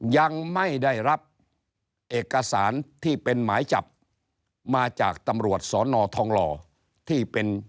ยังไม่ได้รับเอกสารที่เป็นหมายจับมาจากตำรวจสอนอทองหล่อที่เป็น